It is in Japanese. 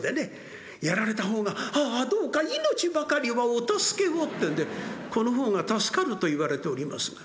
やられた方が「あどうか命ばかりはお助けを」ってんでこの方が助かるといわれておりますが。